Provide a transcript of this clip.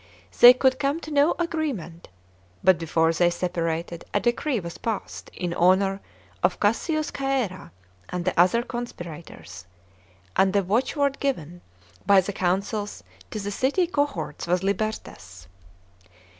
They could come to no agreement, but, before they separated, a decree was parsed in honour of Cassius Cha^rea and the other conspirators, and the watchword given ly the consuls to the city cohorts was Libertas.